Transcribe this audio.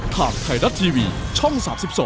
ทางไทยรัฐทีวีช่อง๓๒